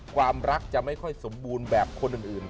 ความรักจะไม่ค่อยสมบูรณ์แบบคนอื่น